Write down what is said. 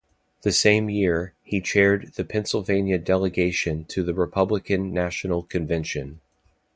The same year, he chaired the Pennsylvania delegation to the Republican National Convention.